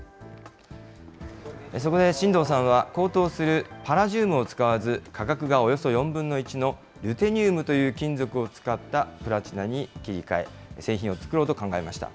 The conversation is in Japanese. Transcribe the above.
そこで、神藤さんは高騰するパラジウムを使わず、価格がおよそ４分の１の、ルテニウムという金属を使ったプラチナに切り替え、製品を作ろうと考えました。